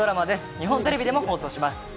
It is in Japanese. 日本テレビでも放送します。